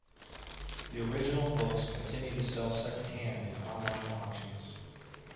The original books continue to sell second-hand in online auctions.